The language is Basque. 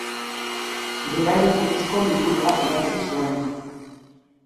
Berari buruzko liburua idatzi zuen.